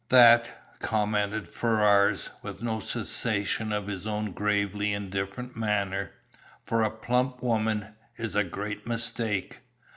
"That," commented Ferrars, with no cessation of his own gravely indifferent manner, "for a 'plump' woman, is a great mistake.